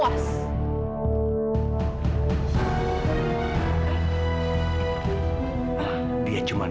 berarti diajack memang